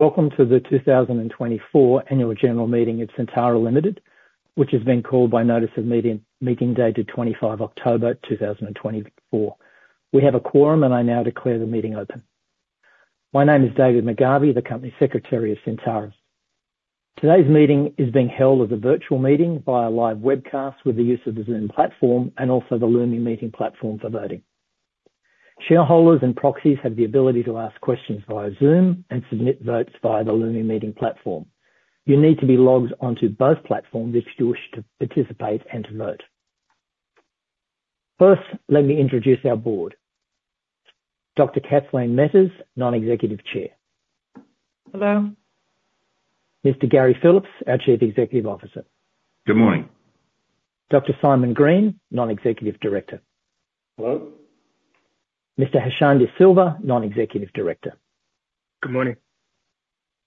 Welcome to the 2024 Annual General Meeting of Syntara Limited, which has been called by notice of meeting dated 25 October 2024. We have a quorum, and I now declare the meeting open. My name is David McGarvey, the Company Secretary of Syntara. Today's meeting is being held as a virtual meeting via live webcast with the use of the Zoom platform and also the Lumi Meeting platform for voting. Shareholders and proxies have the ability to ask questions via Zoom and submit votes via the Lumi Meeting platform. You need to be logged onto both platforms if you wish to participate and to vote. First, let me introduce our board. Dr. Kathleen Metters, Non-Executive Chair. Hello. Mr. Gary Phillips, our Chief Executive Officer. Good morning. Dr. Simon Green, Non-Executive Director. Hello. Mr. Hashan De Silva, Non-Executive Director. Good morning.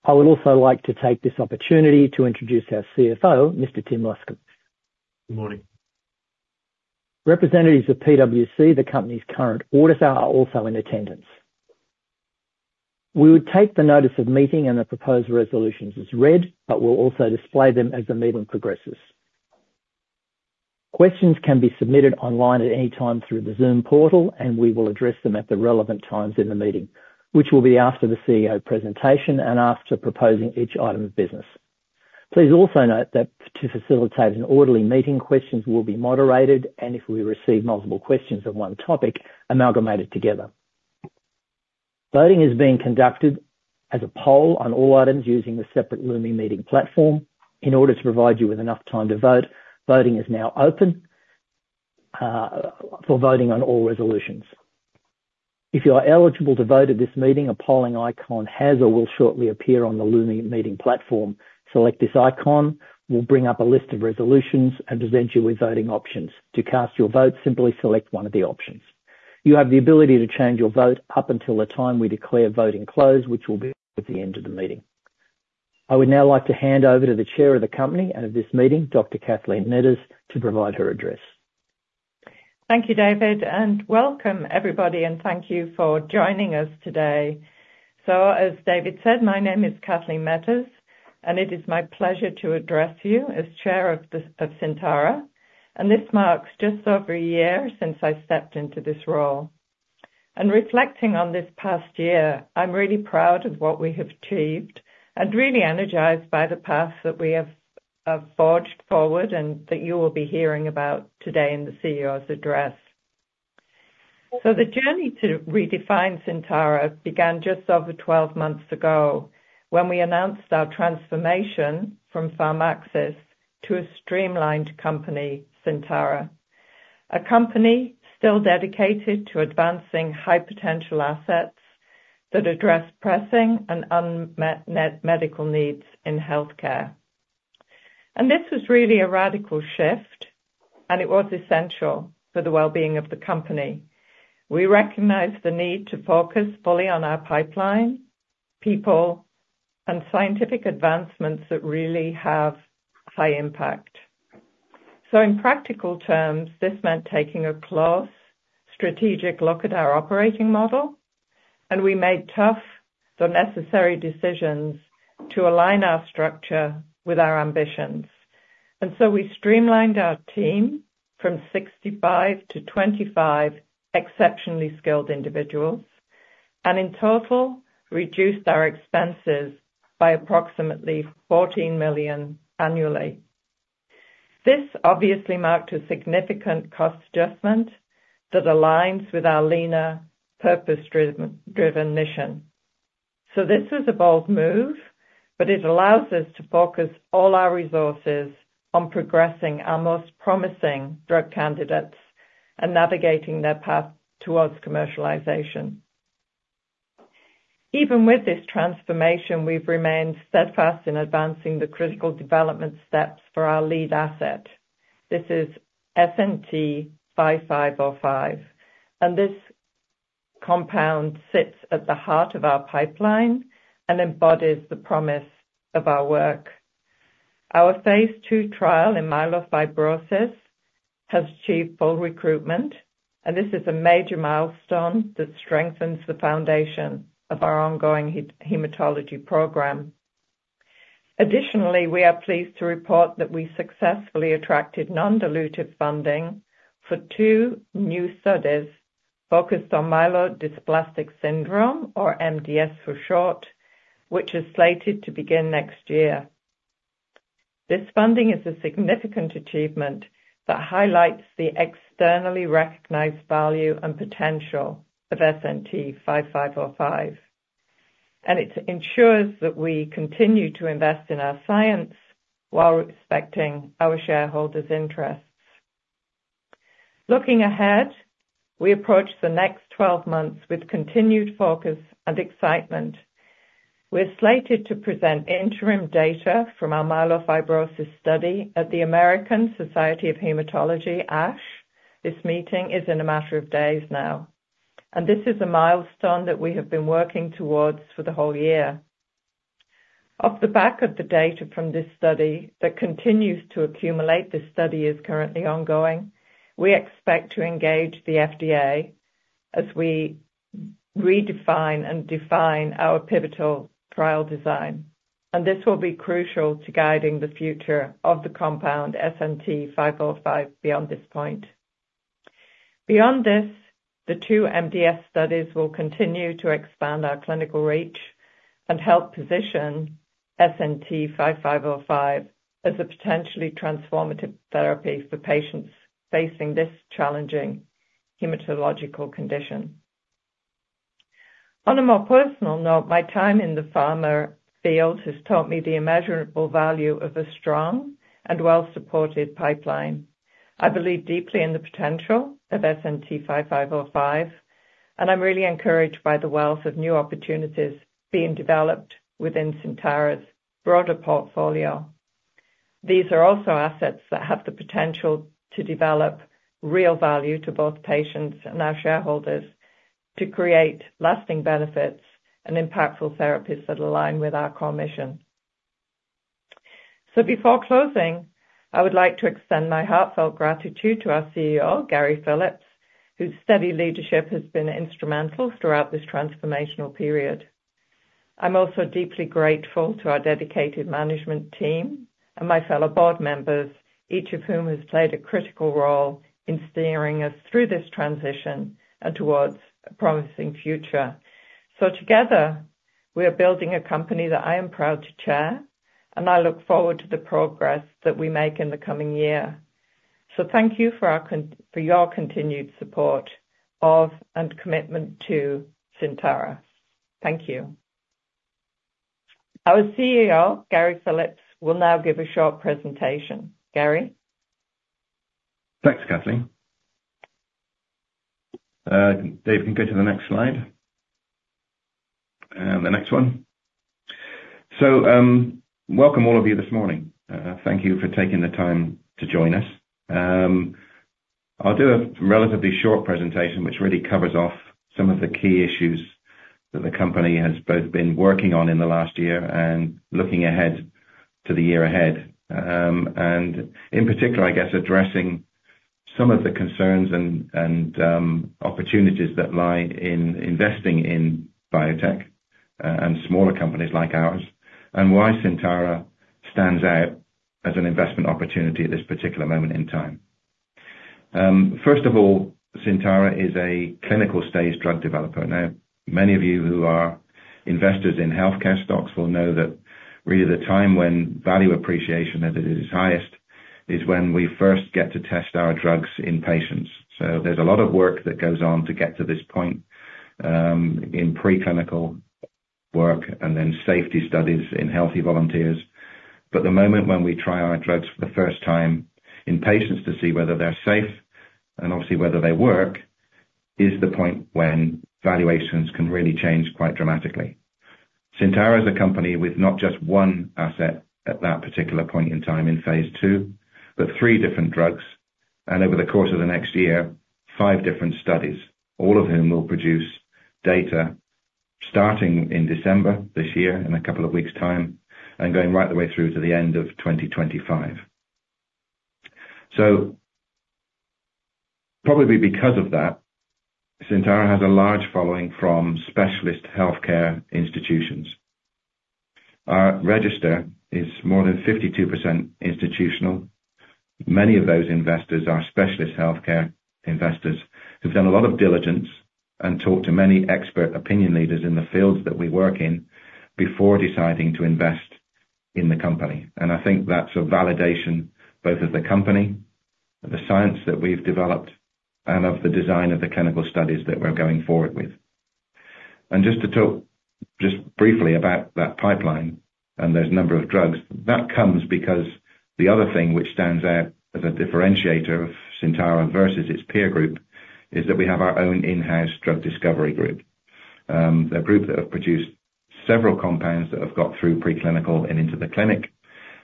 I would also like to take this opportunity to introduce our CFO, Mr. Tim Luscombe. Good morning. Representatives of PwC, the Company's current auditor, are also in attendance. We would take the notice of meeting and the proposed resolutions as read, but we'll also display them as the meeting progresses. Questions can be submitted online at any time through the Zoom portal, and we will address them at the relevant times in the meeting, which will be after the CEO presentation and after proposing each item of business. Please also note that to facilitate an orderly meeting, questions will be moderated, and if we receive multiple questions on one topic, amalgamated together. Voting is being conducted as a poll on all items using the separate Lumi Meeting platform. In order to provide you with enough time to vote, voting is now open for voting on all resolutions. If you are eligible to vote at this meeting, a polling icon has or will shortly appear on the Lumi Meeting platform. Select this icon. We'll bring up a list of resolutions and present you with voting options. To cast your vote, simply select one of the options. You have the ability to change your vote up until the time we declare voting closed, which will be at the end of the meeting. I would now like to hand over to the Chair of the Company and of this meeting, Dr. Kathleen Metters, to provide her address. Thank you, David, and welcome, everybody, and thank you for joining us today. So, as David said, my name is Kathleen Metters, and it is my pleasure to address you as Chair of Syntara. And this marks just over a year since I stepped into this role. And reflecting on this past year, I'm really proud of what we have achieved and really energized by the path that we have forged forward and that you will be hearing about today in the CEO's address. So, the journey to redefine Syntara began just over 12 months ago when we announced our transformation from Pharmaxis to a streamlined company, Syntara, a company still dedicated to advancing high-potential assets that address pressing and unmet medical needs in healthcare. And this was really a radical shift, and it was essential for the well-being of the company. We recognized the need to focus fully on our pipeline, people, and scientific advancements that really have high impact. So, in practical terms, this meant taking a close, strategic look at our operating model, and we made tough but necessary decisions to align our structure with our ambitions. And so, we streamlined our team from 65-25 exceptionally skilled individuals and in total reduced our expenses by approximately 14 million annually. This obviously marked a significant cost adjustment that aligns with our leaner, purpose-driven mission. So, this was a bold move, but it allows us to focus all our resources on progressing our most promising drug candidates and navigating their path towards commercialization. Even with this transformation, we've remained steadfast in advancing the critical development steps for our lead asset. This is SNT-5505, and this compound sits at the heart of our pipeline and embodies the promise of our work. Our phase II trial in myelofibrosis has achieved full recruitment, and this is a major milestone that strengthens the foundation of our ongoing hematology program. Additionally, we are pleased to report that we successfully attracted non-dilutive funding for two new studies focused on myelodysplastic syndrome, or MDS for short, which is slated to begin next year. This funding is a significant achievement that highlights the externally recognized value and potential of SNT-5505, and it ensures that we continue to invest in our science while respecting our shareholders' interests. Looking ahead, we approach the next 12 months with continued focus and excitement. We're slated to present interim data from our myelofibrosis study at the American Society of Hematology, ASH. This meeting is in a matter of days now, and this is a milestone that we have been working towards for the whole year. Off the back of the data from this study that continues to accumulate, this study is currently ongoing. We expect to engage the FDA as we redefine and define our pivotal trial design, and this will be crucial to guiding the future of the compound SNT-5505 beyond this point. Beyond this, the two MDS studies will continue to expand our clinical reach and help position SNT-5505 as a potentially transformative therapy for patients facing this challenging hematological condition. On a more personal note, my time in the pharma field has taught me the immeasurable value of a strong and well-supported pipeline. I believe deeply in the potential of SNT-5505, and I'm really encouraged by the wealth of new opportunities being developed within Syntara's broader portfolio. These are also assets that have the potential to develop real value to both patients and our shareholders to create lasting benefits and impactful therapies that align with our core mission. Before closing, I would like to extend my heartfelt gratitude to our CEO, Gary Phillips, whose steady leadership has been instrumental throughout this transformational period. I'm also deeply grateful to our dedicated management team and my fellow board members, each of whom has played a critical role in steering us through this transition and towards a promising future. Together, we are building a company that I am proud to chair, and I look forward to the progress that we make in the coming year. Thank you for your continued support of and commitment to Syntara. Thank you. Our CEO, Gary Phillips, will now give a short presentation. Gary. Thanks, Kathleen. David, can you go to the next slide and the next one. So, welcome all of you this morning. Thank you for taking the time to join us. I'll do a relatively short presentation which really covers off some of the key issues that the Company has both been working on in the last year and looking ahead to the year ahead, and in particular, I guess, addressing some of the concerns and opportunities that lie in investing in biotech and smaller companies like ours and why Syntara stands out as an investment opportunity at this particular moment in time. First of all, Syntara is a clinical stage drug developer. Now, many of you who are investors in healthcare stocks will know that really the time when value appreciation is at its highest is when we first get to test our drugs in patients. So, there's a lot of work that goes on to get to this point in preclinical work and then safety studies in healthy volunteers. But the moment when we try our drugs for the first time in patients to see whether they're safe and obviously whether they work is the point when valuations can really change quite dramatically. Syntara is a company with not just one asset at that particular point in time in phase II, but three different drugs, and over the course of the next year, five different studies, all of whom will produce data starting in December this year in a couple of weeks' time and going right the way through to the end of 2025. So, probably because of that, Syntara has a large following from specialist healthcare institutions. Our register is more than 52% institutional. Many of those investors are specialist healthcare investors who've done a lot of diligence and talked to many expert opinion leaders in the fields that we work in before deciding to invest in the Company. And I think that's a validation both of the Company, of the science that we've developed, and of the design of the clinical studies that we're going forward with. And just to talk just briefly about that pipeline and those number of drugs, that comes because the other thing which stands out as a differentiator of Syntara versus its peer group is that we have our own in-house drug discovery group, a group that have produced several compounds that have got through preclinical and into the clinic.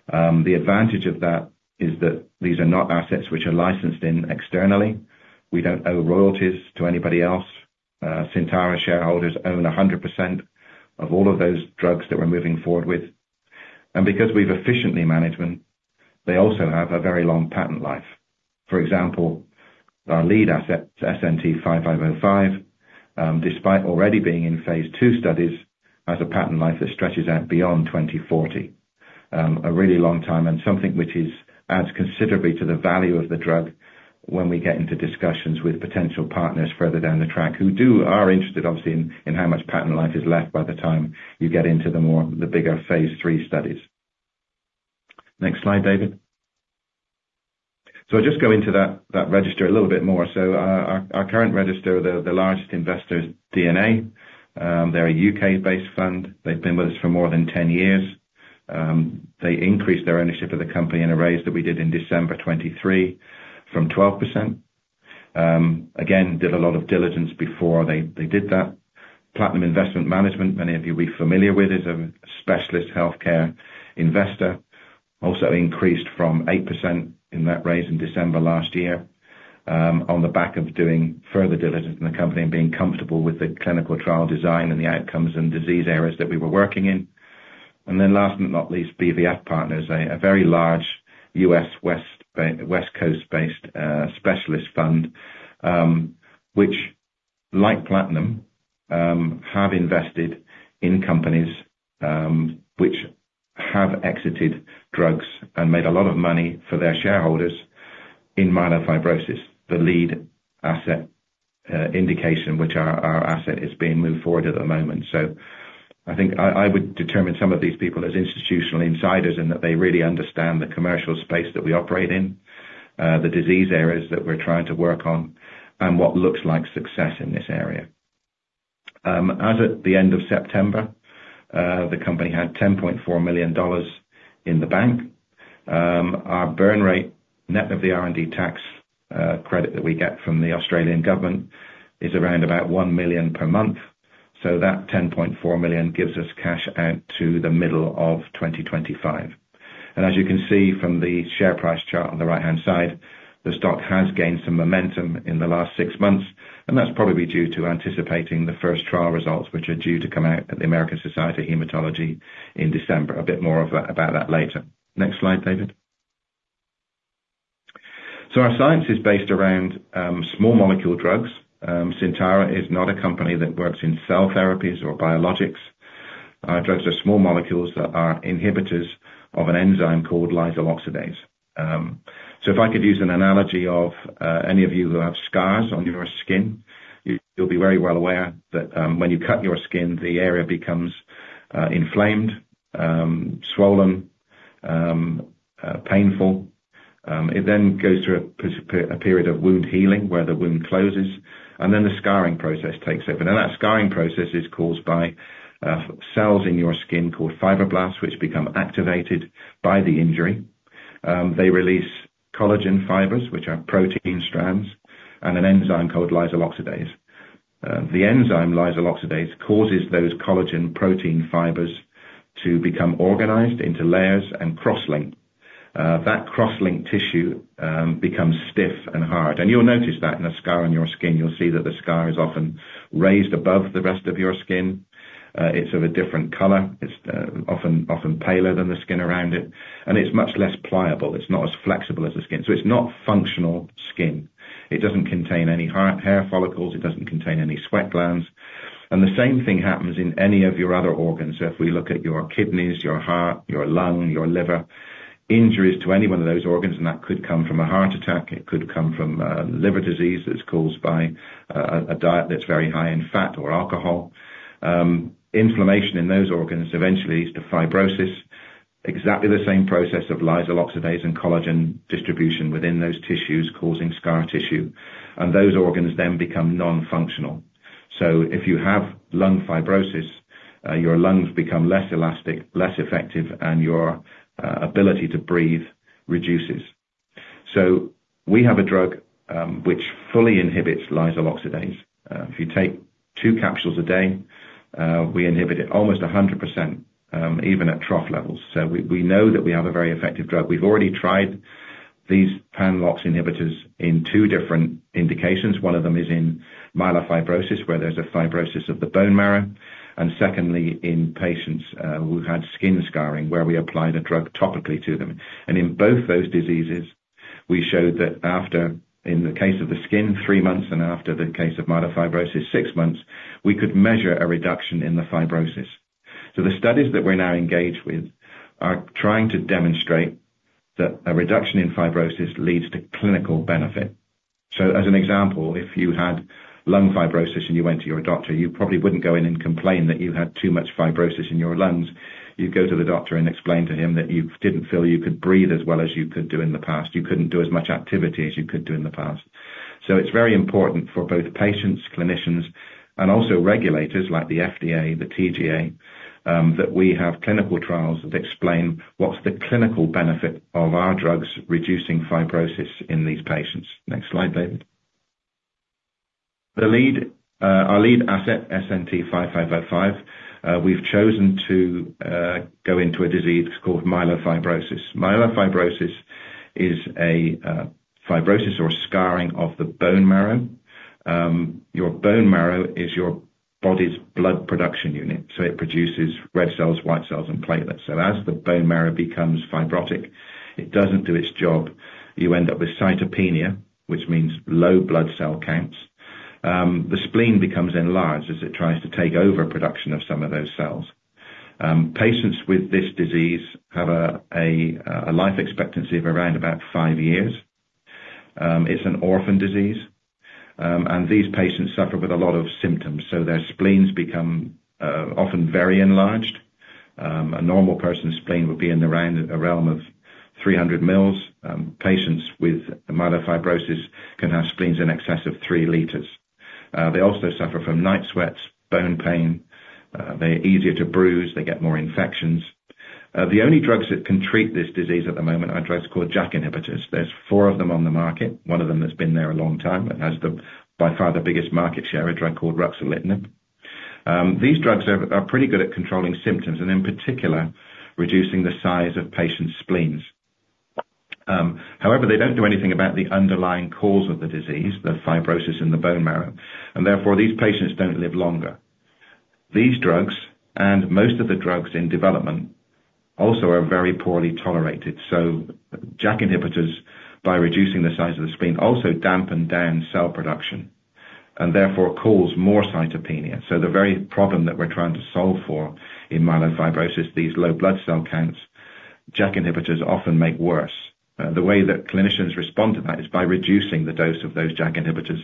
The advantage of that is that these are not assets which are licensed in externally. We don't owe royalties to anybody else. Syntara shareholders own 100% of all of those drugs that we're moving forward with, and because we've efficiently managed them, they also have a very long patent life. For example, our lead asset, SNT-5505, despite already being in phase II studies, has a patent life that stretches out beyond 2040, a really long time and something which adds considerably to the value of the drug when we get into discussions with potential partners further down the track who are interested, obviously, in how much patent life is left by the time you get into the bigger phase III studies. Next slide, David. I'll just go into that register a little bit more. Our current register, the largest investor is D&A. They're a U.K.-based fund. They've been with us for more than 10 years. They increased their ownership of the Company in a raise that we did in December 2023 from 12%. Again, did a lot of diligence before they did that. Platinum Investment Management, many of you will be familiar with, is a specialist healthcare investor. Also increased from 8% in that raise in December last year on the back of doing further diligence in the Company and being comfortable with the clinical trial design and the outcomes and disease areas that we were working in. And then last but not least, BVF Partners, a very large U.S. West Coast-based specialist fund, which, like Platinum, have invested in companies which have exited drugs and made a lot of money for their shareholders in myelofibrosis, the lead asset indication which our asset is being moved forward at the moment. I think I would determine some of these people as institutional insiders and that they really understand the commercial space that we operate in, the disease areas that we're trying to work on, and what looks like success in this area. As at the end of September, the Company had 10.4 million dollars in the bank. Our burn rate, net of the R&D tax credit that we get from the Australian government, is around about 1 million per month. That 10.4 million gives us cash out to the middle of 2025. As you can see from the share price chart on the right-hand side, the stock has gained some momentum in the last six months, and that's probably due to anticipating the first trial results which are due to come out at the American Society of Hematology in December. A bit more about that later. Next slide, David. Our science is based around small molecule drugs. Syntara is not a company that works in cell therapies or biologics. Our drugs are small molecules that are inhibitors of an enzyme called lysyl oxidase. If I could use an analogy of any of you who have scars on your skin, you'll be very well aware that when you cut your skin, the area becomes inflamed, swollen, painful. It then goes through a period of wound healing where the wound closes, and then the scarring process takes over. Now, that scarring process is caused by cells in your skin called fibroblasts which become activated by the injury. They release collagen fibers which are protein strands and an enzyme called lysyl oxidase. The enzyme lysyl oxidase causes those collagen protein fibers to become organized into layers and cross-link. That cross-linked tissue becomes stiff and hard. You'll notice that in a scar on your skin. You'll see that the scar is often raised above the rest of your skin. It's of a different color. It's often paler than the skin around it, and it's much less pliable. It's not as flexible as the skin. It's not functional skin. It doesn't contain any hair follicles. It doesn't contain any sweat glands. The same thing happens in any of your other organs. If we look at your kidneys, your heart, your lung, your liver, injuries to any one of those organs, and that could come from a heart attack. It could come from liver disease that's caused by a diet that's very high in fat or alcohol. Inflammation in those organs eventually leads to fibrosis, exactly the same process of lysyl oxidase and collagen distribution within those tissues causing scar tissue, and those organs then become non-functional. So, if you have lung fibrosis, your lungs become less elastic, less effective, and your ability to breathe reduces. So, we have a drug which fully inhibits lysyl oxidase. If you take two capsules a day, we inhibit it almost 100%, even at trough levels. So, we know that we have a very effective drug. We've already tried these pan-LOX inhibitors in two different indications. One of them is in myelofibrosis, where there's a fibrosis of the bone marrow, and secondly, in patients who had skin scarring where we applied a drug topically to them. And in both those diseases, we showed that after, in the case of the skin, three months, and after the case of myelofibrosis, six months, we could measure a reduction in the fibrosis. So, the studies that we're now engaged with are trying to demonstrate that a reduction in fibrosis leads to clinical benefit. So, as an example, if you had lung fibrosis and you went to your doctor, you probably wouldn't go in and complain that you had too much fibrosis in your lungs. You'd go to the doctor and explain to him that you didn't feel you could breathe as well as you could do in the past. You couldn't do as much activity as you could do in the past. It's very important for both patients, clinicians, and also regulators like the FDA, the TGA, that we have clinical trials that explain what's the clinical benefit of our drugs reducing fibrosis in these patients. Next slide, David. The lead, our lead asset, SNT-5505, we've chosen to go into a disease called myelofibrosis. Myelofibrosis is a fibrosis or scarring of the bone marrow. Your bone marrow is your body's blood production unit, so it produces red cells, white cells, and platelets. So, as the bone marrow becomes fibrotic, it doesn't do its job. You end up with cytopenia, which means low blood cell counts. The spleen becomes enlarged as it tries to take over production of some of those cells. Patients with this disease have a life expectancy of around about five years. It's an orphan disease, and these patients suffer with a lot of symptoms. Their spleens become often very enlarged. A normal person's spleen would be in the realm of 300 mL. Patients with myelofibrosis can have spleens in excess of 3 liters. They also suffer from night sweats, bone pain. They're easier to bruise. They get more infections. The only drugs that can treat this disease at the moment are drugs called JAK inhibitors. There's four of them on the market. One of them has been there a long time and has by far the biggest market share, a drug called ruxolitinib. These drugs are pretty good at controlling symptoms and, in particular, reducing the size of patients' spleens. However, they don't do anything about the underlying cause of the disease, the fibrosis in the bone marrow, and therefore these patients don't live longer. These drugs and most of the drugs in development also are very poorly tolerated. JAK inhibitors, by reducing the size of the spleen, also dampen down cell production and therefore cause more cytopenia. The very problem that we're trying to solve for in myelofibrosis, these low blood cell counts, JAK inhibitors often make worse. The way that clinicians respond to that is by reducing the dose of those JAK inhibitors,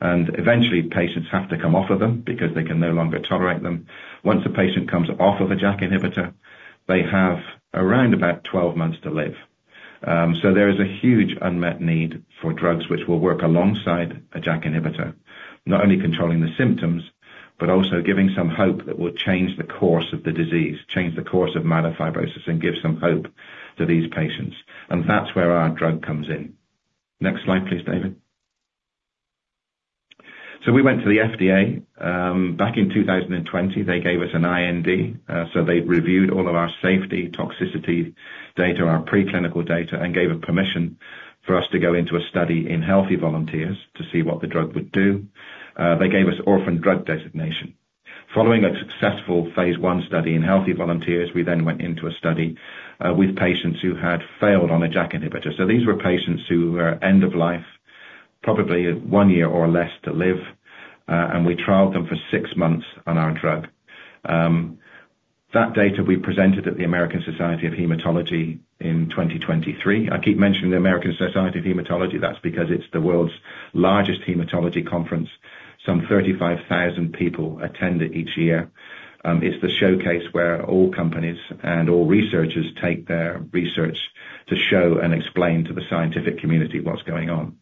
and eventually patients have to come off of them because they can no longer tolerate them. Once a patient comes off of a JAK inhibitor, they have around about 12 months to live. There is a huge unmet need for drugs which will work alongside a JAK inhibitor, not only controlling the symptoms but also giving some hope that will change the course of the disease, change the course of myelofibrosis, and give some hope to these patients. That's where our drug comes in. Next slide, please, David. We went to the FDA back in 2020. They gave us an IND. They reviewed all of our safety, toxicity data, our preclinical data, and gave us permission for us to go into a study in healthy volunteers to see what the drug would do. They gave us orphan drug designation. Following a successful phase I study in healthy volunteers, we then went into a study with patients who had failed on a JAK inhibitor. These were patients who were end of life, probably one year or less to live, and we trialed them for six months on our drug. That data we presented at the American Society of Hematology in 2023. I keep mentioning the American Society of Hematology. That's because it's the world's largest hematology conference. Some 35,000 people attend it each year. It's the showcase where all companies and all researchers take their research to show and explain to the scientific community what's going on.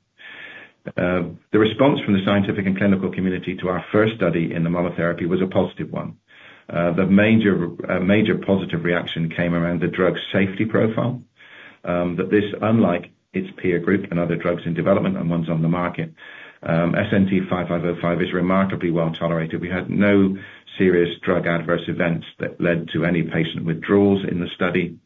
The response from the scientific and clinical community to our first study in the monotherapy was a positive one. The major positive reaction came around the drug safety profile, that this, unlike its peer group and other drugs in development and ones on the market, SNT-5505 is remarkably well tolerated. We had no serious drug adverse events that led to any patient withdrawals in the study.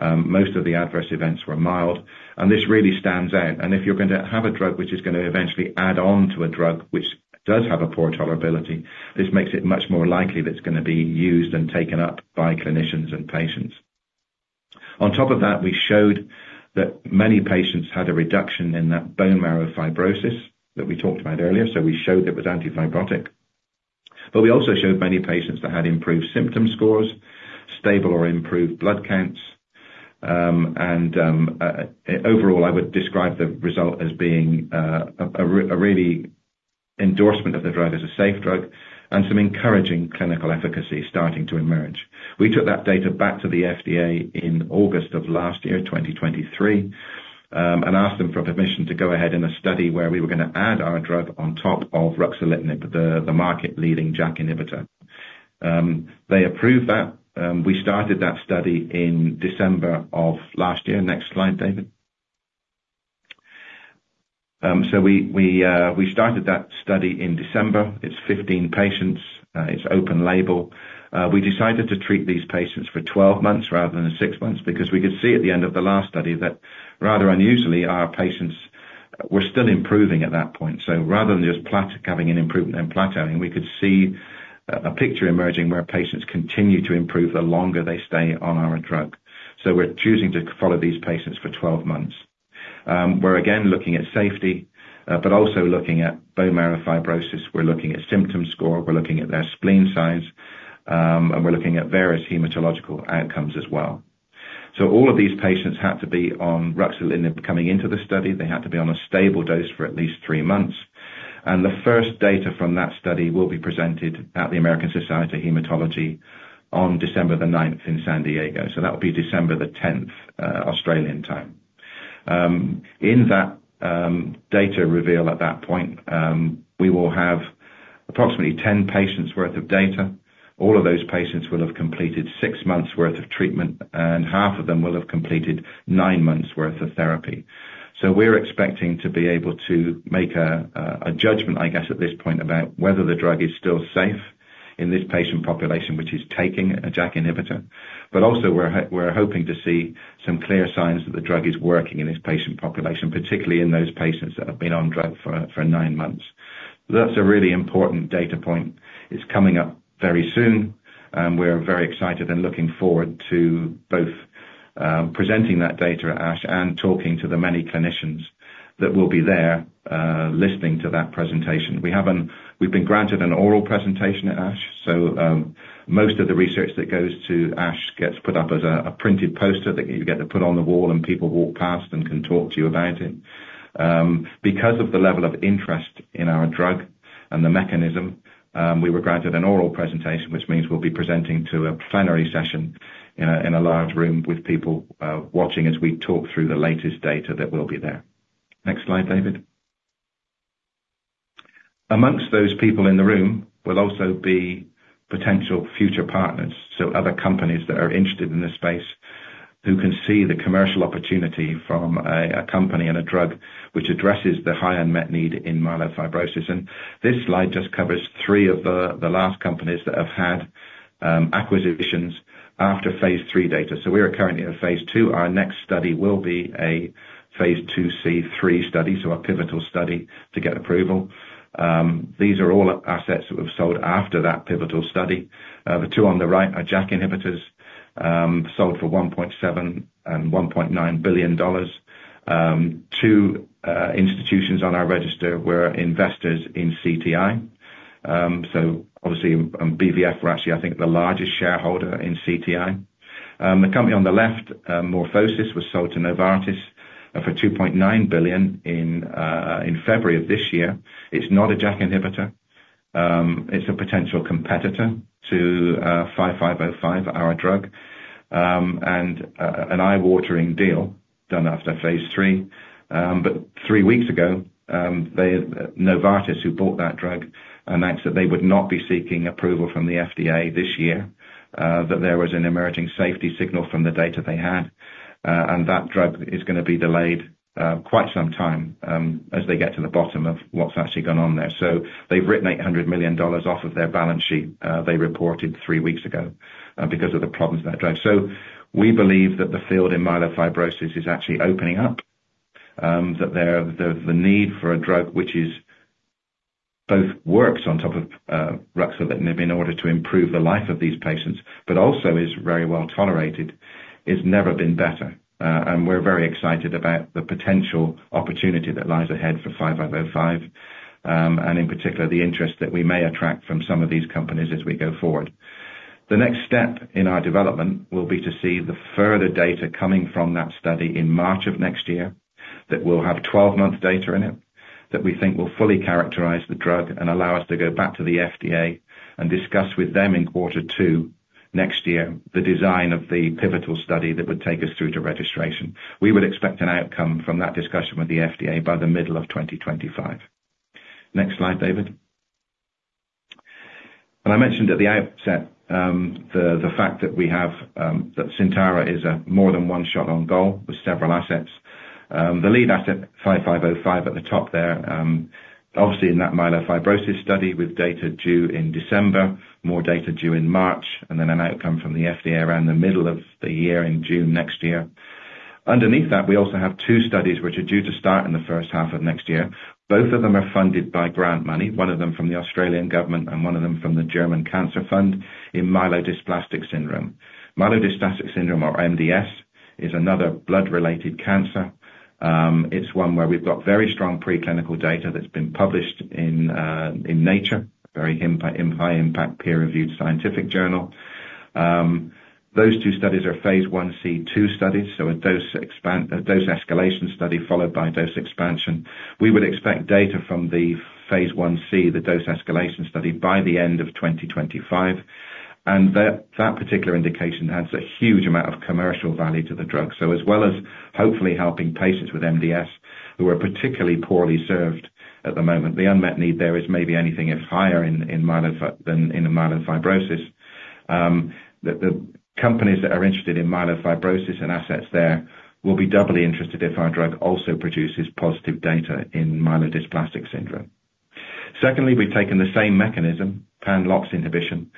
Most of the adverse events were mild, and this really stands out. If you're going to have a drug which is going to eventually add on to a drug which does have a poor tolerability, this makes it much more likely that it's going to be used and taken up by clinicians and patients. On top of that, we showed that many patients had a reduction in that bone marrow fibrosis that we talked about earlier. So, we showed it was anti-fibrotic. But we also showed many patients that had improved symptom scores, stable or improved blood counts. And overall, I would describe the result as being a really endorsement of the drug as a safe drug and some encouraging clinical efficacy starting to emerge. We took that data back to the FDA in August of last year, 2023, and asked them for permission to go ahead in a study where we were going to add our drug on top of ruxolitinib, the market-leading JAK inhibitor. They approved that. We started that study in December of last year. Next slide, David. So, we started that study in December. It's 15 patients. It's open label. We decided to treat these patients for 12 months rather than 6 months because we could see at the end of the last study that, rather unusually, our patients were still improving at that point. So, rather than just having an improvement and plateauing, we could see a picture emerging where patients continue to improve the longer they stay on our drug. So, we're choosing to follow these patients for 12 months. We're again looking at safety, but also looking at bone marrow fibrosis. We're looking at symptom score. We're looking at their spleen size, and we're looking at various hematological outcomes as well. So, all of these patients had to be on ruxolitinib coming into the study. They had to be on a stable dose for at least three months. The first data from that study will be presented at the American Society of Hematology on December the 9th in San Diego. So, that will be December the 10th, Australian time. In that data reveal at that point, we will have approximately 10 patients' worth of data. All of those patients will have completed six months' worth of treatment, and half of them will have completed nine months' worth of therapy. So, we're expecting to be able to make a judgment, I guess, at this point about whether the drug is still safe in this patient population which is taking a JAK inhibitor. But also, we're hoping to see some clear signs that the drug is working in this patient population, particularly in those patients that have been on drug for nine months. That's a really important data point. It's coming up very soon, and we're very excited and looking forward to both presenting that data at ASH and talking to the many clinicians that will be there listening to that presentation. We've been granted an oral presentation at ASH, so most of the research that goes to ASH gets put up as a printed poster that you get to put on the wall, and people walk past and can talk to you about it. Because of the level of interest in our drug and the mechanism, we were granted an oral presentation, which means we'll be presenting to a plenary session in a large room with people watching as we talk through the latest data that will be there. Next slide, David. Among those people in the room will also be potential future partners, so other companies that are interested in this space who can see the commercial opportunity from a company and a drug which addresses the high unmet need in myelofibrosis. And this slide just covers three of the last companies that have had acquisitions after phase III data. So, we are currently at phase II. Our next study will be a phase II/III study, so a pivotal study to get approval. These are all assets that were sold after that pivotal study. The two on the right are JAK inhibitors sold for $1.7-$1.9 billion. Two institutions on our register were investors in CTI. So, obviously, BVF were actually, I think, the largest shareholder in CTI. The company on the left, MorphoSys, was sold to Novartis for $2.9 billion in February of this year. It's not a JAK inhibitor. It's a potential competitor to 5505, our drug, and an eye-watering deal done after phase III. But three weeks ago, Novartis, who bought that drug, announced that they would not be seeking approval from the FDA this year, that there was an emerging safety signal from the data they had, and that drug is going to be delayed quite some time as they get to the bottom of what's actually gone on there. So, they've written $800 million off of their balance sheet, they reported three weeks ago, because of the problems with that drug. We believe that the field in myelofibrosis is actually opening up, that the need for a drug which both works on top of ruxolitinib in order to improve the life of these patients, but also is very well tolerated, has never been better. We're very excited about the potential opportunity that lies ahead for 5505, and in particular, the interest that we may attract from some of these companies as we go forward. The next step in our development will be to see the further data coming from that study in March of next year that will have 12-month data in it that we think will fully characterize the drug and allow us to go back to the FDA and discuss with them in quarter two next year the design of the pivotal study that would take us through to registration. We would expect an outcome from that discussion with the FDA by the middle of 2025. Next slide, David. I mentioned at the outset the fact that Syntara is a more-than-one-shot on goal with several assets. The lead asset, 5505, at the top there, obviously in that myelofibrosis study with data due in December, more data due in March, and then an outcome from the FDA around the middle of the year in June next year. Underneath that, we also have two studies which are due to start in the first half of next year. Both of them are funded by grant money, one of them from the Australian government and one of them from the German Cancer Fund in myelodysplastic syndrome. Myelodysplastic syndrome, or MDS, is another blood-related cancer. It's one where we've got very strong preclinical data that's been published in Nature, a very high-impact, peer-reviewed scientific journal. Those two studies are phase I/II studies, so a dose escalation study followed by dose expansion. We would expect data from the phase I/II, the dose escalation study, by the end of 2025. That particular indication adds a huge amount of commercial value to the drug. As well as hopefully helping patients with MDS who are particularly poorly served at the moment, the unmet need there is maybe anything higher in myelofibrosis. The companies that are interested in myelofibrosis and assets there will be doubly interested if our drug also produces positive data in myelodysplastic syndrome. Secondly, we've taken the same mechanism, pan-LOX inhibition,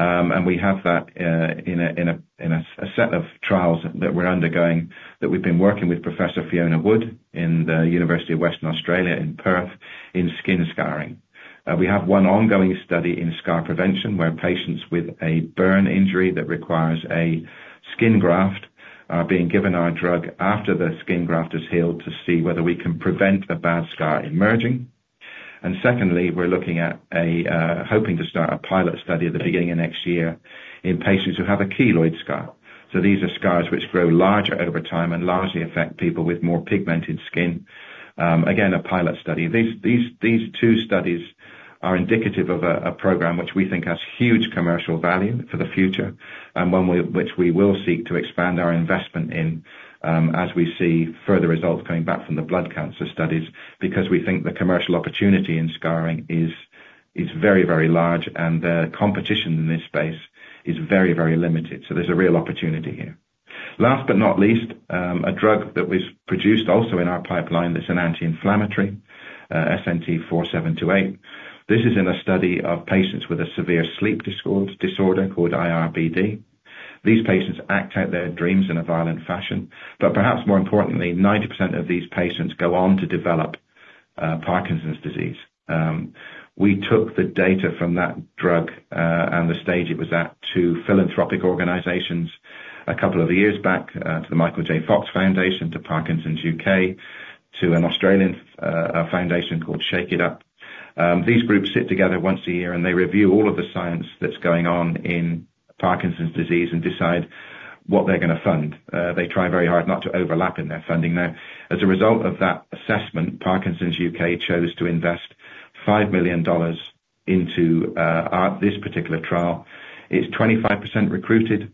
and we have that in a set of trials that we're undergoing that we've been working with Professor Fiona Wood in the University of Western Australia in Perth in skin scarring. We have one ongoing study in scar prevention where patients with a burn injury that requires a skin graft are being given our drug after the skin graft has healed to see whether we can prevent a bad scar emerging. Secondly, we're looking at hoping to start a pilot study at the beginning of next year in patients who have a keloid scar. So, these are scars which grow larger over time and largely affect people with more pigmented skin. Again, a pilot study. These two studies are indicative of a program which we think has huge commercial value for the future, which we will seek to expand our investment in as we see further results coming back from the blood cancer studies because we think the commercial opportunity in scarring is very, very large, and the competition in this space is very, very limited. So, there's a real opportunity here. Last but not least, a drug that was produced also in our pipeline that's an anti-inflammatory, SNT-4728. This is in a study of patients with a severe sleep disorder called iRBD. These patients act out their dreams in a violent fashion. But perhaps more importantly, 90% of these patients go on to develop Parkinson's disease. We took the data from that drug and the stage it was at to philanthropic organizations a couple of years back, to the Michael J. Fox Foundation, to Parkinson's UK, to an Australian foundation called Shake It Up. These groups sit together once a year, and they review all of the science that's going on in Parkinson's disease and decide what they're going to fund. They try very hard not to overlap in their funding. Now, as a result of that assessment, Parkinson's UK chose to invest 5 million dollars into this particular trial. It's 25% recruited.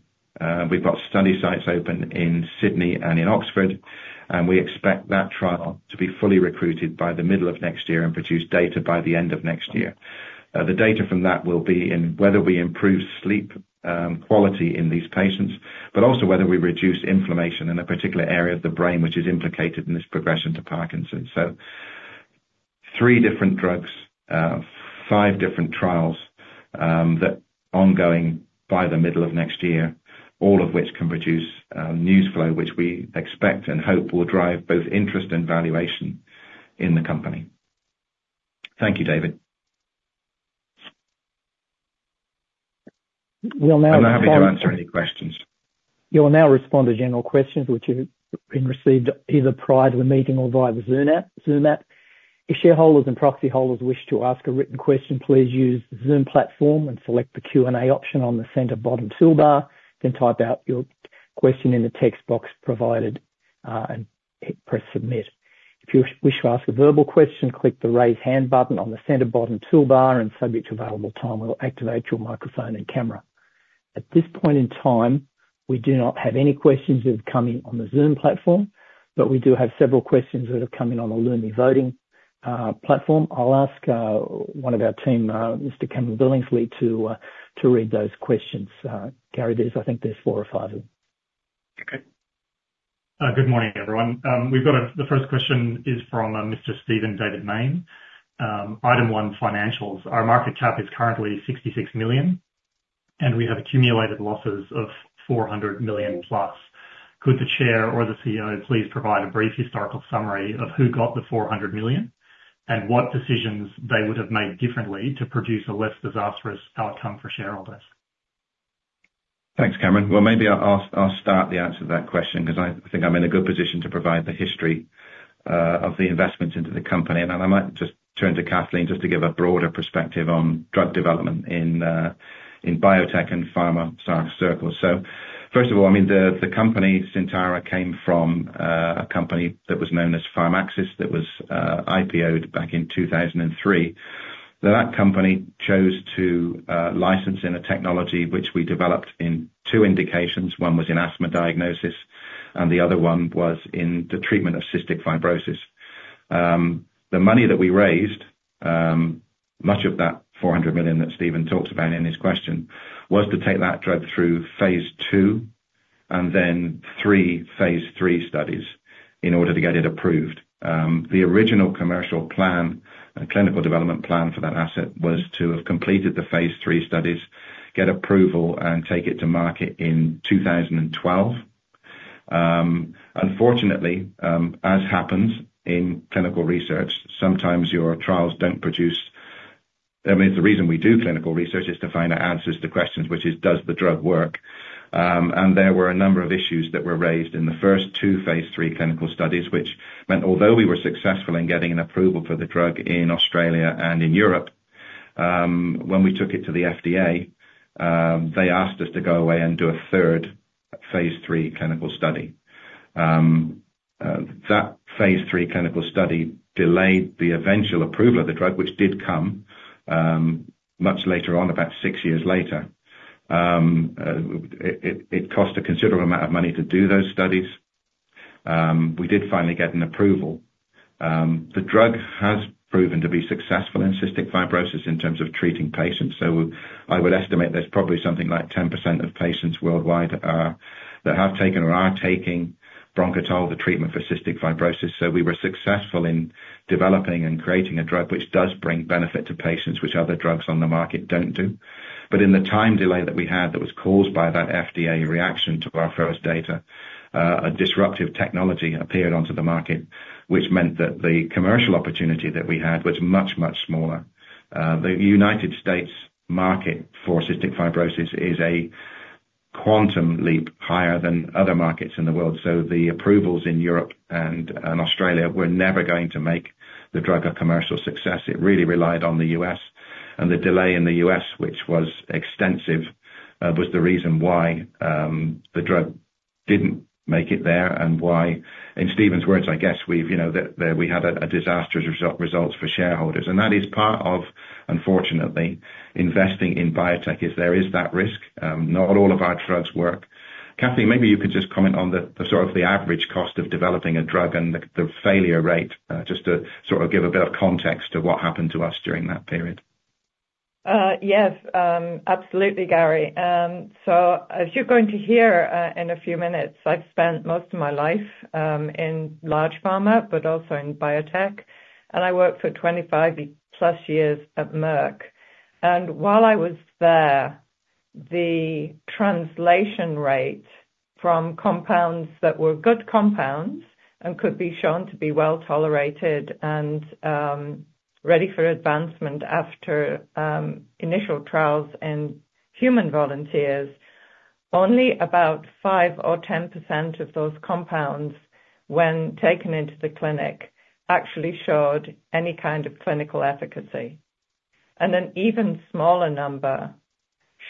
We've got study sites open in Sydney and in Oxford, and we expect that trial to be fully recruited by the middle of next year and produce data by the end of next year. The data from that will be in whether we improve sleep quality in these patients, but also whether we reduce inflammation in a particular area of the brain which is implicated in this progression to Parkinson's. So, three different drugs, five different trials that are ongoing by the middle of next year, all of which can produce news flow which we expect and hope will drive both interest and valuation in the Company. Thank you, David. We'll now respond to general questions. You'll now respond to general questions which have been received either prior to the meeting or via the Zoom app. If shareholders and proxy holders wish to ask a written question, please use the Zoom platform and select the Q&A option on the center bottom toolbar, then type out your question in the text box provided and press submit. If you wish to ask a verbal question, click the raise hand button on the center bottom toolbar, and subject to available time will activate your microphone and camera. At this point in time, we do not have any questions that have come in on the Zoom platform, but we do have several questions that have come in on the Lumi Voting platform. I'll ask one of our team, Mr. Cameron Billingsley, to read those questions. Gary, I think there's four or five of them. Okay. Good morning, everyone. The first question is from Mr. Stephen David Mayne. Item one, financials. Our market cap is currently 66 million, and we have accumulated losses of 400 million plus. Could the Chair or the CEO please provide a brief historical summary of who got the 400 million and what decisions they would have made differently to produce a less disastrous outcome for shareholders? Thanks, Cameron. Well, maybe I'll start the answer to that question because I think I'm in a good position to provide the history of the investments into the Company. And I might just turn to Kathleen just to give a broader perspective on drug development in biotech and pharma circle. So, first of all, I mean, the Company Syntara came from a Company that was known as Pharmaxis that was IPO'd back in 2003. That Company chose to license in a technology which we developed in two indications. One was in asthma diagnosis, and the other one was in the treatment of cystic fibrosis. The money that we raised, much of that 400 million that Stephen talked about in his question, was to take that drug through phase II and then three phase III studies in order to get it approved. The original commercial plan, clinical development plan for that asset was to have completed the phase III studies, get approval, and take it to market in 2012. Unfortunately, as happens in clinical research, sometimes your trials don't produce, I mean, the reason we do clinical research is to find out answers to questions, which is, does the drug work? And there were a number of issues that were raised in the first two phase III clinical studies, which meant although we were successful in getting an approval for the drug in Australia and in Europe, when we took it to the FDA, they asked us to go away and do a third phase III clinical study. That phase III clinical study delayed the eventual approval of the drug, which did come much later on, about six years later. It cost a considerable amount of money to do those studies. We did finally get an approval. The drug has proven to be successful in cystic fibrosis in terms of treating patients. So, I would estimate there's probably something like 10% of patients worldwide that have taken or are taking bronchodilator treatment for cystic fibrosis. So, we were successful in developing and creating a drug which does bring benefit to patients, which other drugs on the market don't do. But in the time delay that we had that was caused by that FDA reaction to our first data, a disruptive technology appeared onto the market, which meant that the commercial opportunity that we had was much, much smaller. The United States market for cystic fibrosis is a quantum leap higher than other markets in the world. So, the approvals in Europe and Australia were never going to make the drug a commercial success. It really relied on the U.S. And the delay in the U.S., which was extensive, was the reason why the drug didn't make it there and why, in Stephen's words, I guess, we had disastrous results for shareholders. And that is part of, unfortunately, investing in biotech is there is that risk. Not all of our drugs work. Kathleen, maybe you could just comment on the sort of the average cost of developing a drug and the failure rate, just to sort of give a bit of context to what happened to us during that period. Yes, absolutely, Gary, so as you're going to hear in a few minutes, I've spent most of my life in large pharma, but also in biotech, and I worked for 25 plus years at Merck, and while I was there, the translation rate from compounds that were good compounds and could be shown to be well tolerated and ready for advancement after initial trials in human volunteers, only about 5% or 10% of those compounds, when taken into the clinic, actually showed any kind of clinical efficacy. An even smaller number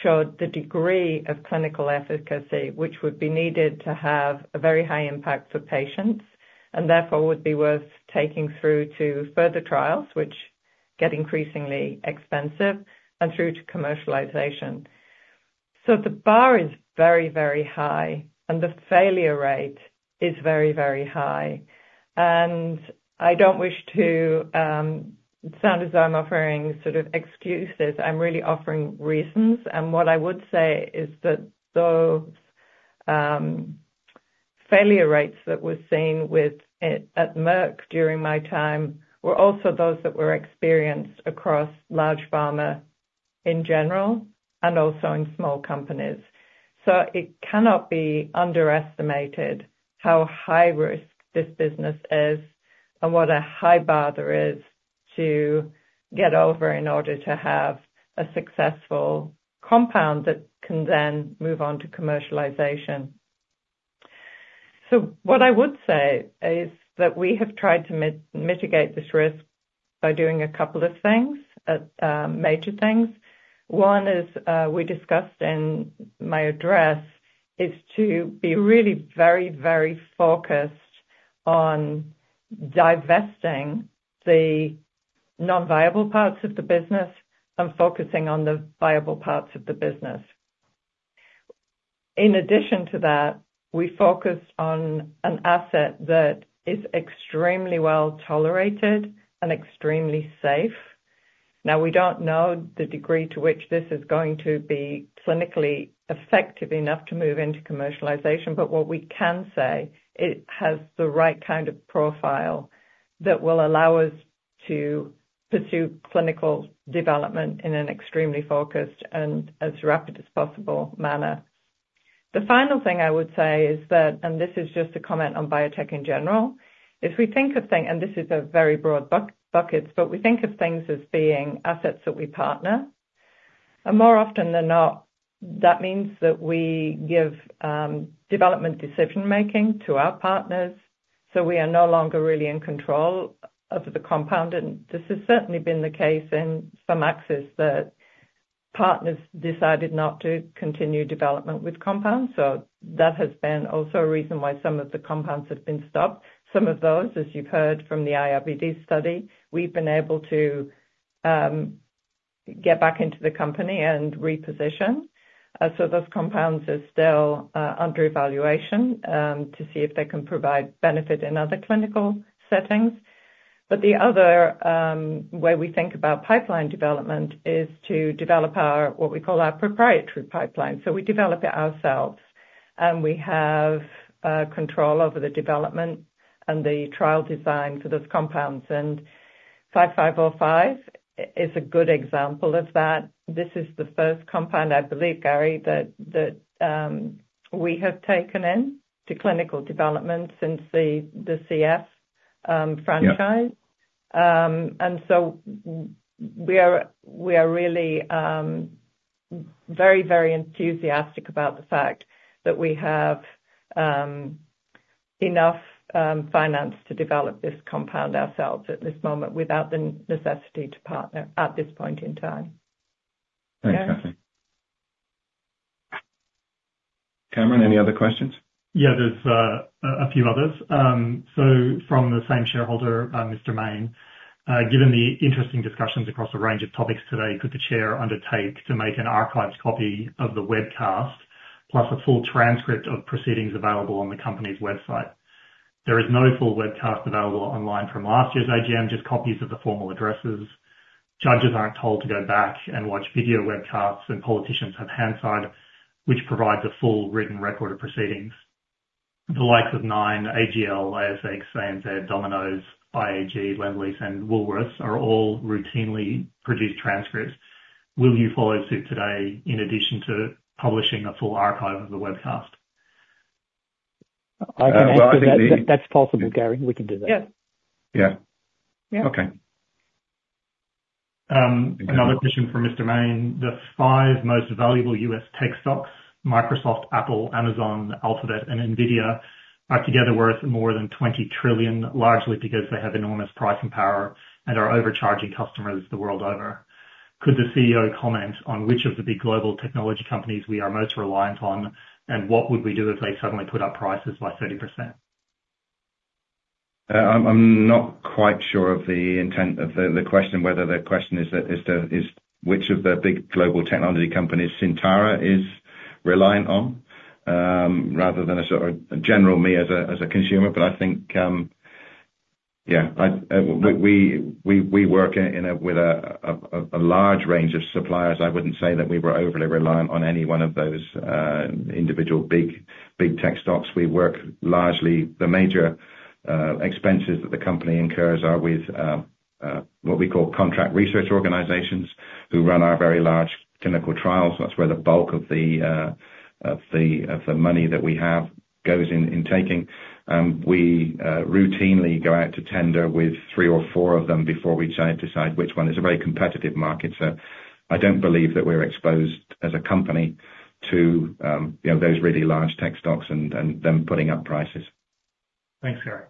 showed the degree of clinical efficacy which would be needed to have a very high impact for patients and therefore would be worth taking through to further trials, which get increasingly expensive, and through to commercialization. The bar is very, very high, and the failure rate is very, very high. I don't wish to sound as though I'm offering sort of excuses. I'm really offering reasons. What I would say is that those failure rates that were seen at Merck during my time were also those that were experienced across large pharma in general and also in small companies. It cannot be underestimated how high risk this business is and what a high bar there is to get over in order to have a successful compound that can then move on to commercialization. So, what I would say is that we have tried to mitigate this risk by doing a couple of things, major things. One is we discussed in my address is to be really very, very focused on divesting the non-viable parts of the business and focusing on the viable parts of the business. In addition to that, we focused on an asset that is extremely well tolerated and extremely safe. Now, we don't know the degree to which this is going to be clinically effective enough to move into commercialization, but what we can say, it has the right kind of profile that will allow us to pursue clinical development in an extremely focused and as rapid as possible manner. The final thing I would say is that, and this is just a comment on biotech in general, is we think of things, and this is a very broad bucket, but we think of things as being assets that we partner. And more often than not, that means that we give development decision-making to our partners. So, we are no longer really in control of the compound. And this has certainly been the case in Pharmaxis that partners decided not to continue development with compounds. So, that has been also a reason why some of the compounds have been stopped. Some of those, as you've heard from the iRBD study, we've been able to get back into the Company and reposition. So, those compounds are still under evaluation to see if they can provide benefit in other clinical settings. But the other way we think about pipeline development is to develop what we call our proprietary pipeline. So, we develop it ourselves, and we have control over the development and the trial design for those compounds. And 5505 is a good example of that. This is the first compound, I believe, Gary, that we have taken into clinical development since the CF franchise. And so, we are really very, very enthusiastic about the fact that we have enough finance to develop this compound ourselves at this moment without the necessity to partner at this point in time. Thanks, Kathleen. Cameron, any other questions? Yeah, there's a few others. So, from the same shareholder, Mr. Mayne, given the interesting discussions across a range of topics today, could the Chair undertake to make an archived copy of the webcast, plus a full transcript of proceedings available on the Company's website? There is no full webcast available online from last year's AGM, just copies of the formal addresses. Judges aren't told to go back and watch video webcasts, and politicians have Hansard, which provides a full written record of proceedings. The likes of Nine, AGL, ASX, ANZ, Domino's, IAG, Lendlease, and Woolworths are all routinely produce transcripts. Will you follow suit today in addition to publishing a full archive of the webcast? I think that's possible, Gary. We can do that. Yeah. Yeah. Yeah. Yeah. Okay. Another question from Mr. Mayne. The five most valuable US tech stocks, Microsoft, Apple, Amazon, Alphabet, and NVIDIA, are together worth more than $20 trillion, largely because they have enormous pricing power and are overcharging customers the world over. Could the CEO comment on which of the big global technology companies we are most reliant on, and what would we do if they suddenly put up prices by 30%? I'm not quite sure of the intent of the question, whether the question is which of the big global technology companies Syntara is reliant on, rather than a sort of general me as a consumer. But I think, yeah, we work with a large range of suppliers. I wouldn't say that we were overly reliant on any one of those individual big tech stocks. We work largely. The major expenses that the Company incurs are with what we call contract research organizations who run our very large clinical trials. That's where the bulk of the money that we have goes in taking. We routinely go out to tender with three or four of them before we decide which one. It's a very competitive market. So, I don't believe that we're exposed as a Company to those really large tech stocks and them putting up prices. Thanks, Gary.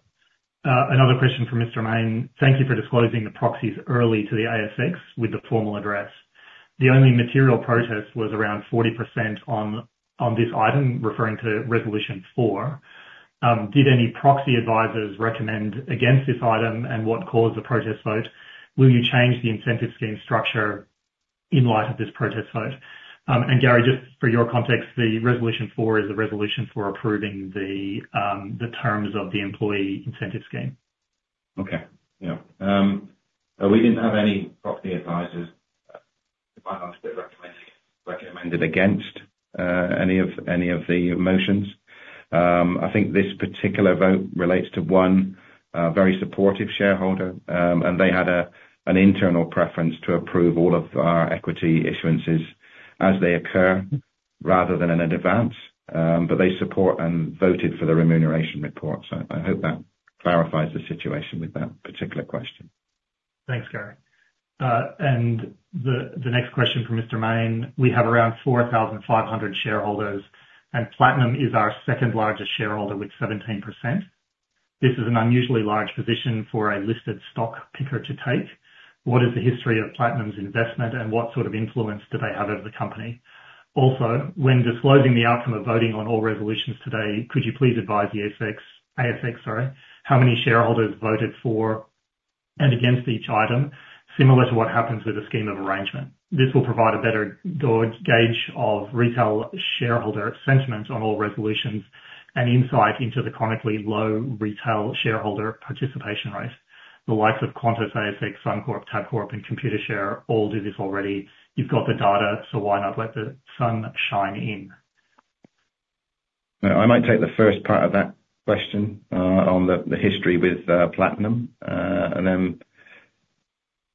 Another question from Mr. Mayne. Thank you for disclosing the proxies early to the ASX with the formal address. The only material protest was around 40% on this item, referring to resolution four. Did any proxy advisors recommend against this item, and what caused the protest vote? Will you change the incentive scheme structure in light of this protest vote? And Gary, just for your context, the resolution four is a resolution for approving the terms of the employee incentive scheme. Okay. Yeah. We didn't have any proxy advisors that recommended against any of the motions. I think this particular vote relates to one very supportive shareholder, and they had an internal preference to approve all of our equity issuances as they occur rather than in advance. But they support and voted for the remuneration report. So, I hope that clarifies the situation with that particular question. Thanks, Gary. And the next question from Mr. Maine. We have around 4,500 shareholders, and Platinum is our second largest shareholder with 17%. This is an unusually large position for a listed stock picker to take. What is the history of Platinum's investment, and what sort of influence do they have over the Company? Also, when disclosing the outcome of voting on all resolutions today, could you please advise the ASX, sorry, how many shareholders voted for and against each item, similar to what happens with a scheme of arrangement? This will provide a better gauge of retail shareholder sentiment on all resolutions and insight into the chronically low retail shareholder participation rate. The likes of Qantas, ASX, Suncorp, Tabcorp, and Computershare all do this already. You've got the data, so why not let the sun shine in? I might take the first part of that question on the history with Platinum. And then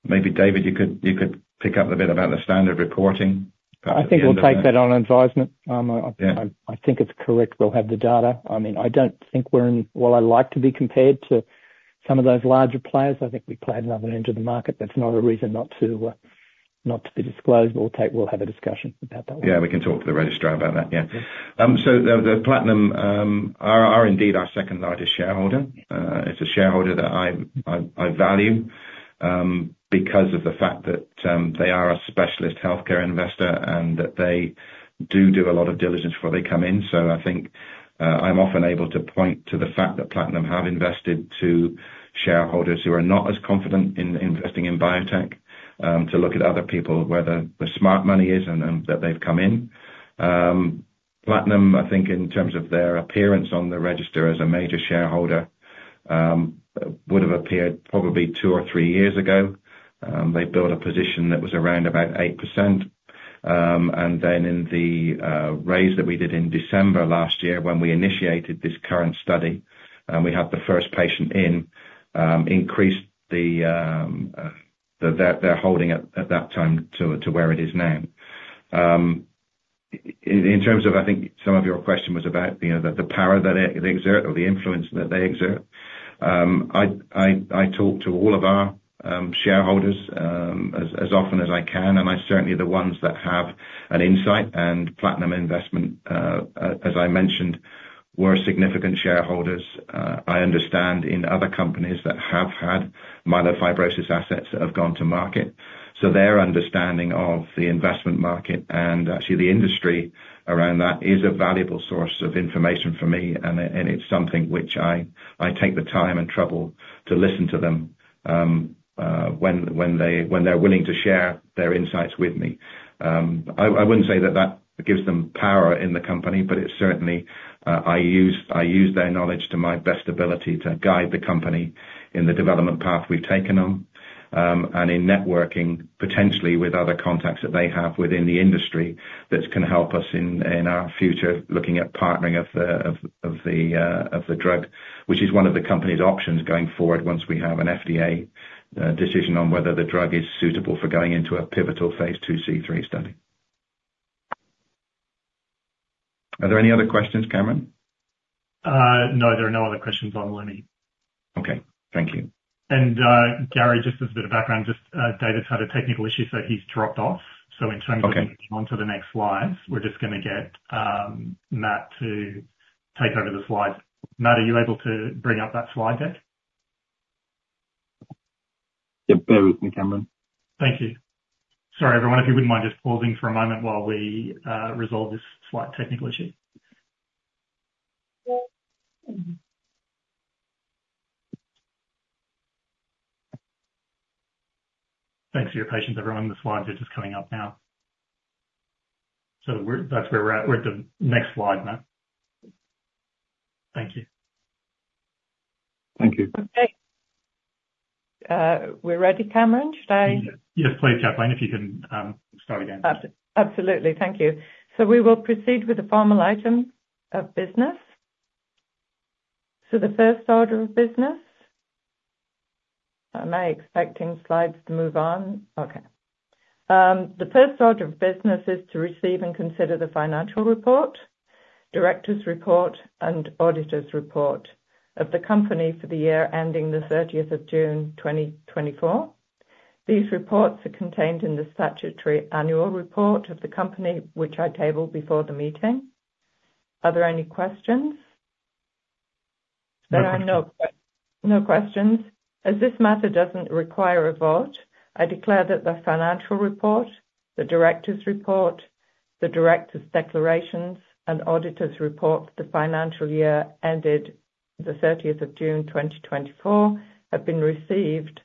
maybe, David, you could pick up the bit about the standard reporting. I think we'll take that on advisement. I think it's correct. We'll have the data. I mean, I don't think we're in, well, I like to be compared to some of those larger players. I think we play at another end of the market. That's not a reason not to be disclosed, but we'll have a discussion about that one. Yeah, we can talk to the registrar about that. Yeah. So, Platinum are indeed our second largest shareholder. It's a shareholder that I value because of the fact that they are a specialist healthcare investor and that they do do a lot of diligence before they come in. So, I think I'm often able to point to the fact that Platinum have invested to shareholders who are not as confident in investing in biotech, to look at other people where the smart money is and that they've come in. Platinum, I think in terms of their appearance on the register as a major shareholder, would have appeared probably two or three years ago. They built a position that was around about 8%. And then in the raise that we did in December last year when we initiated this current study and we had the first patient in, increased the, they're holding at that time to where it is now. In terms of, I think some of your question was about the power that they exert or the influence that they exert. I talk to all of our shareholders as often as I can, and I certainly, the ones that have an insight and Platinum Investment, as I mentioned, were significant shareholders. I understand in other companies that have had myelofibrosis assets that have gone to market. So, their understanding of the investment market and actually the industry around that is a valuable source of information for me, and it's something which I take the time and trouble to listen to them when they're willing to share their insights with me. I wouldn't say that that gives them power in the Company, but it certainly—I use their knowledge to my best ability to guide the Company in the development path we've taken on and in networking potentially with other contacts that they have within the industry that can help us in our future looking at partnering of the drug, which is one of the Company's options going forward once we have an FDA decision on whether the drug is suitable for going into a pivotal phase II/III study. Are there any other questions, Cameron? No, there are no other questions on Lumi. Okay. Thank you. And Gary, just as a bit of background, David's had a technical issue, so he's dropped off. So, in terms of moving on to the next slides, we're just going to get Matt to take over the slides. Matt, are you able to bring up that slide deck? Yeah, bear with me, Cameron. Thank you. Sorry, everyone, if you wouldn't mind just pausing for a moment while we resolve this slight technical issue. Thanks for your patience, everyone. The slides are just coming up now. So, that's where we're at. We're at the next slide, Matt. Thank you. Thank you. Okay. We're ready, Cameron. Should I? Yes, please, Kathleen, if you can start again. Absolutely. Thank you. So, we will proceed with the formal item of business. So, the first order of business. Am I expecting slides to move on? Okay. The first order of business is to receive and consider the financial report, director's report, and auditor's report of the Company for the year ending the 30th of June, 2024. These reports are contained in the statutory annual report of the Company, which I tabled before the meeting. Are there any questions? There are no questions. No questions. As this matter doesn't require a vote, I declare that the financial report, the director's report, the director's declarations, and auditor's report for the financial year ended the 30th of June, 2024, have been received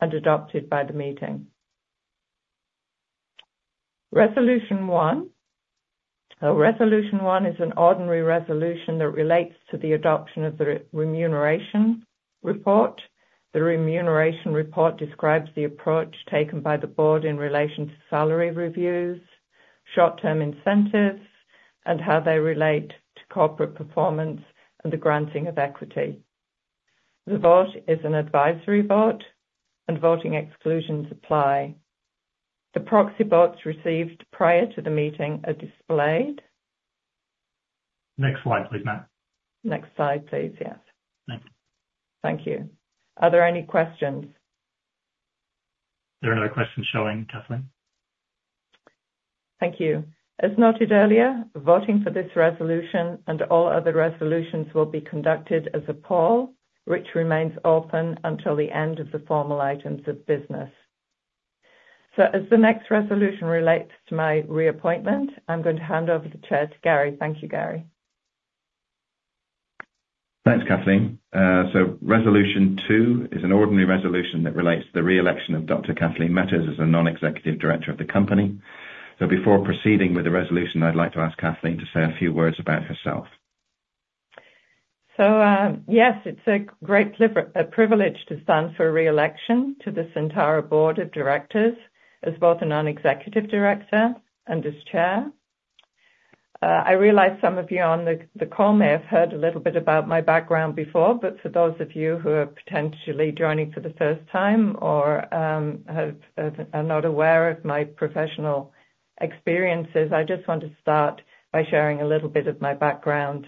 and adopted by the meeting. Resolution one. Resolution one is an ordinary resolution that relates to the adoption of the remuneration report. The remuneration report describes the approach taken by the board in relation to salary reviews, short-term incentives, and how they relate to corporate performance and the granting of equity. The vote is an advisory vote, and voting exclusions apply. The proxy votes received prior to the meeting are displayed. Next slide, please, Matt. Next slide, please. Yes. Thank you. Thank you. Are there any questions? There are no questions showing, Kathleen. Thank you. As noted earlier, voting for this resolution and all other resolutions will be conducted as a poll, which remains open until the end of the formal items of business. So, as the next resolution relates to my reappointment, I'm going to hand over the chair to Gary. Thank you, Gary. Thanks, Kathleen. So, resolution two is an ordinary resolution that relates to the reelection of Dr. Kathleen Metters as a non-executive director of the Company. So, before proceeding with the resolution, I'd like to ask Kathleen to say a few words about herself. So, yes, it's a great privilege to stand for a reelection to the Syntara board of directors as both a non-executive director and as chair. I realize some of you on the call may have heard a little bit about my background before, but for those of you who are potentially joining for the first time or are not aware of my professional experiences, I just want to start by sharing a little bit of my background.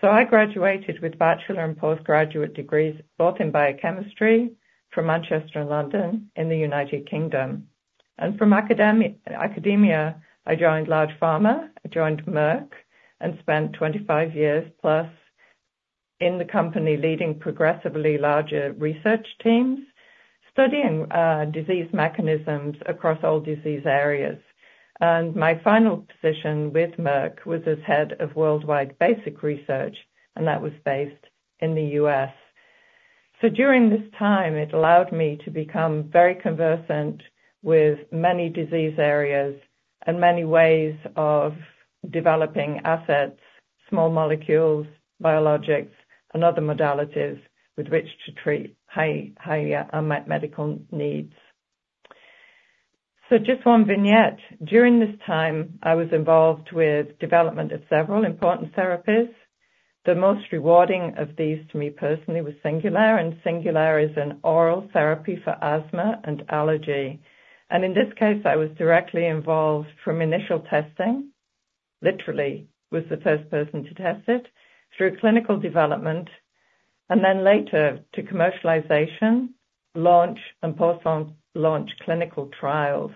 So, I graduated with bachelor and postgraduate degrees both in biochemistry from Manchester and London in the United Kingdom. And from academia, I joined big pharma, joined Merck, and spent 25 years plus in the company leading progressively larger research teams studying disease mechanisms across all disease areas. And my final position with Merck was as head of worldwide basic research, and that was based in the U.S. During this time, it allowed me to become very conversant with many disease areas and many ways of developing assets, small molecules, biologics, and other modalities with which to treat high medical needs. Just one vignette. During this time, I was involved with development of several important therapies. The most rewarding of these to me personally was Singulair, and Singulair is an oral therapy for asthma and allergy. In this case, I was directly involved from initial testing, literally was the first person to test it, through clinical development, and then later to commercialization, launch, and post-launch clinical trials.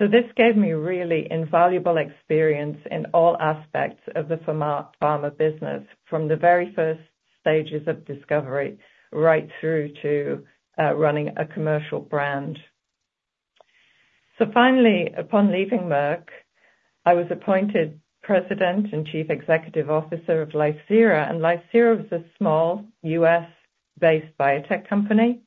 This gave me really invaluable experience in all aspects of the pharma business, from the very first stages of discovery right through to running a commercial brand. Finally, upon leaving Merck, I was appointed president and chief executive officer of Lycera. Lycera was a small U.S.-based biotech company,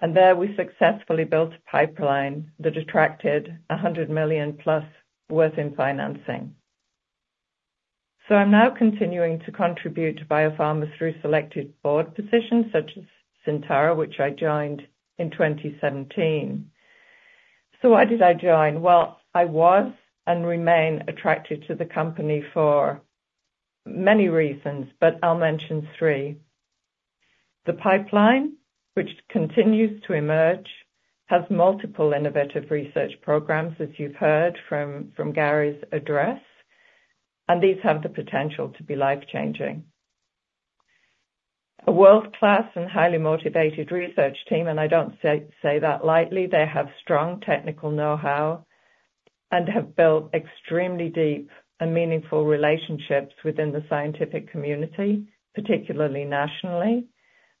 and there we successfully built a pipeline that attracted 100 million plus worth in financing. I'm now continuing to contribute to biopharma through selected board positions such as Syntara, which I joined in 2017. Why did I join? I was and remain attracted to the Company for many reasons, but I'll mention three. The pipeline, which continues to emerge, has multiple innovative research programs, as you've heard from Gary's address, and these have the potential to be life-changing. A world-class and highly motivated research team, and I don't say that lightly, they have strong technical know-how and have built extremely deep and meaningful relationships within the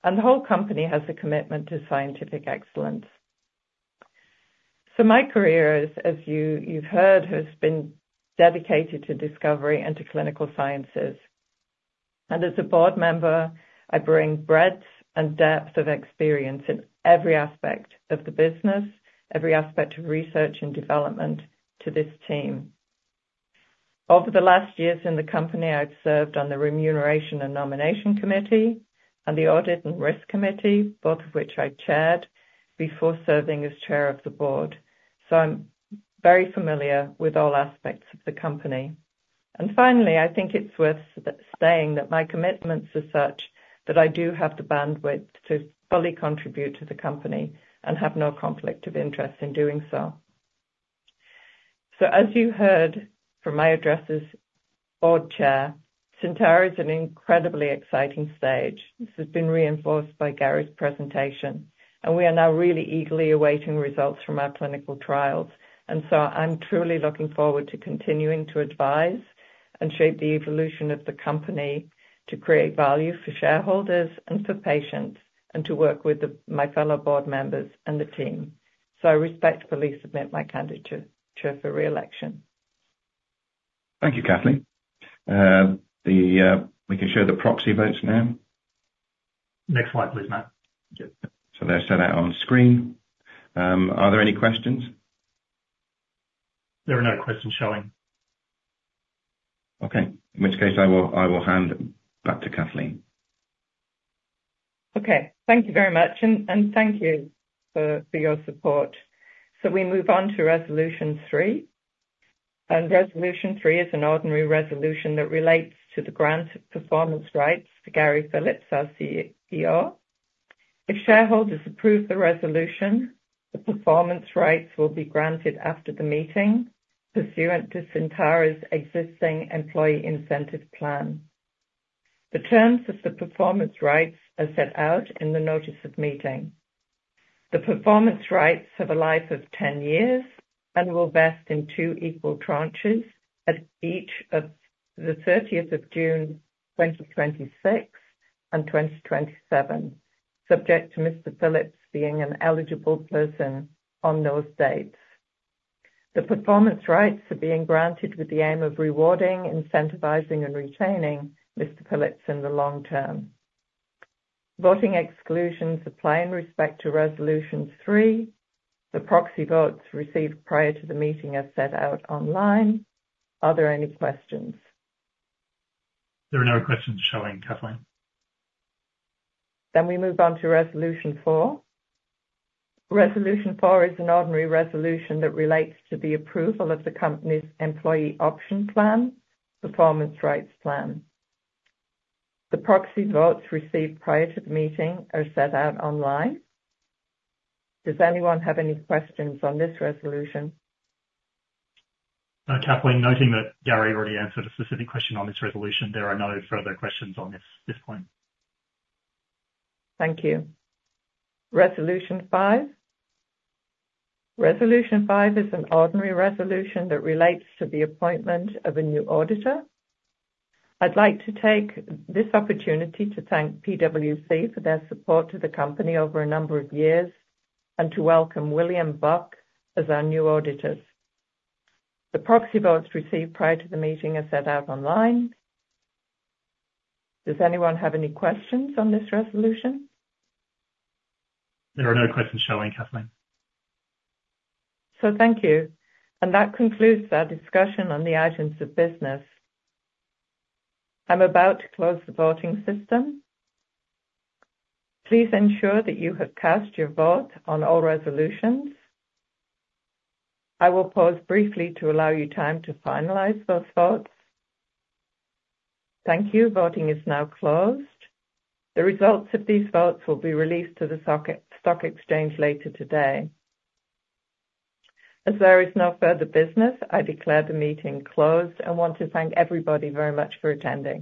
scientific community, particularly nationally. The whole Company has a commitment to scientific excellence. My career, as you've heard, has been dedicated to discovery and to clinical sciences. And as a board member, I bring breadth and depth of experience in every aspect of the business, every aspect of research and development to this team. Over the last years in the Company, I've served on the remuneration and nomination committee and the audit and risk committee, both of which I chaired before serving as chair of the board. So, I'm very familiar with all aspects of the Company. And finally, I think it's worth saying that my commitments are such that I do have the bandwidth to fully contribute to the Company and have no conflict of interest in doing so. So, as you heard from my address as board chair, Syntara is an incredibly exciting stage. This has been reinforced by Gary's presentation, and we are now really eagerly awaiting results from our clinical trials. And so, I'm truly looking forward to continuing to advise and shape the evolution of the Company to create value for shareholders and for patients and to work with my fellow board members and the team. So, I respectfully submit my candidature for reelection. Thank you, Kathleen. We can show the proxy votes now. Next slide, please, Matt. So, they're set out on screen. Are there any questions? There are no questions showing. Okay. In which case, I will hand it back to Kathleen. Okay. Thank you very much, and thank you for your support. So, we move on to resolution three. And resolution three is an ordinary resolution that relates to the grant of performance rights to Gary Phillips as CEO. If shareholders approve the resolution, the performance rights will be granted after the meeting pursuant to Syntara's existing employee incentive plan. The terms of the performance rights are set out in the notice of meeting. The performance rights have a life of 10 years and will vest in two equal tranches at each of the 30th of June, 2026, and 2027, subject to Mr. Phillips being an eligible person on those dates. The performance rights are being granted with the aim of rewarding, incentivizing, and retaining Mr. Phillips in the long term. Voting exclusions apply in respect to resolution three. The proxy votes received prior to the meeting are set out online. Are there any questions? There are no questions showing, Kathleen. Then we move on to resolution four. Resolution four is an ordinary resolution that relates to the approval of the Company's employee option plan, performance rights plan. The proxy votes received prior to the meeting are set out online. Does anyone have any questions on this resolution? Kathleen, noting that Gary already answered a specific question on this resolution, there are no further questions on this point. Thank you. Resolution five. Resolution five is an ordinary resolution that relates to the appointment of a new auditor. I'd like to take this opportunity to thank PwC for their support to the Company over a number of years and to welcome William Buck as our new auditors. The proxy votes received prior to the meeting are set out online. Does anyone have any questions on this resolution? There are no questions showing, Kathleen. So, thank you. And that concludes our discussion on the items of business. I'm about to close the voting system. Please ensure that you have cast your vote on all resolutions. I will pause briefly to allow you time to finalize those votes. Thank you. Voting is now closed. The results of these votes will be released to the stock exchange later today. As there is no further business, I declare the meeting closed and want to thank everybody very much for attending.